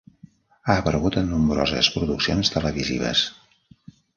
Ha aparegut en nombroses produccions televisives.